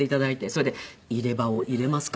それで「入れ歯を入れますか？